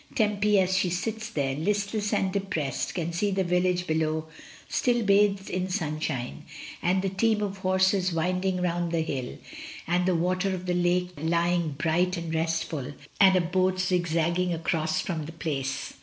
Tempy, as she sits there, listless and depressed, can see the village below still bathed in sunshine, and the team of horses winding round the hill, and the water of the lake lying bright and restful, and a boat zigzagging across from the Place.